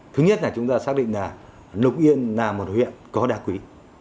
thứ nhất là chúng ta xác định là lục yên là một huyện có đá quý